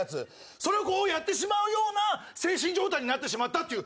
それをやってしまうような精神状態になってしまったという。